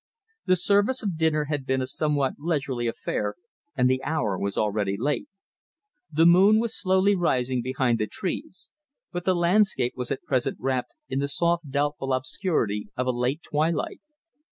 The service of dinner had been a somewhat leisurely affair, and the hour was already late. The moon was slowly rising behind the trees, but the landscape was at present wrapped in the soft doubtful obscurity of a late twilight.